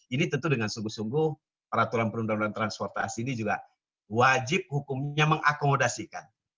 ini tentu dengan sungguh sungguh peraturan perundang undangan transportasi ini juga wajib hukumnya mengakomodasikan